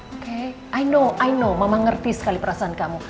oke i know i know memang ngerti sekali perasaan kamu